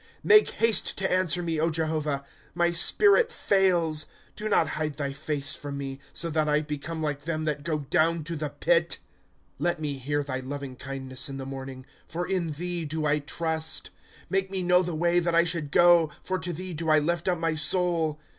^ Make haste to answer me, Jehovah ; My spirit fails. Do not hide thy face from me, So that I become like them that go down to the pit. ^ Let me hear thy loving kindness in the moi uing, For in thee do I trust. Make me know the way that I should go, For to thee do I lift up my soul.